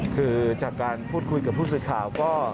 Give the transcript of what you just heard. คือจากการพูดคุยกับผู้สื่อข่าวก็